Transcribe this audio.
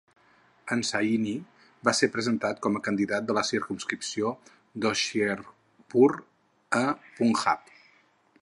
En Saini va ser presentat com a candidat de la circumscripció d' Hoshiarpur a Punjab.